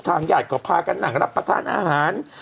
ทางหยาดก็พากันหลังรับประทานอาหาร